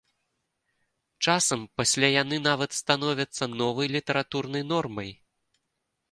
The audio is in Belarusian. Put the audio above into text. Часам пасля яны нават становяцца новай літаратурнай нормай.